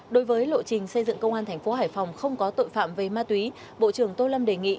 đối với lộ trình xây dựng công an thành phố hải phòng không có tội phạm về ma túy bộ trưởng tô lâm đề nghị